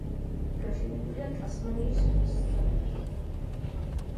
გაშენებულია ტასმანიის ზღვის სანაპიროზე.